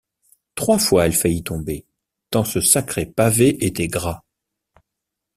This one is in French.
Trois fois, elle faillit tomber, tant ce sacré pavé était gras.